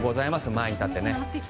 前に立って。